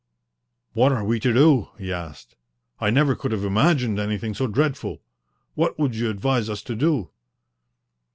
"What are we to do?" he asked. "I never could have imagined anything so dreadful. What would you advise us to do?"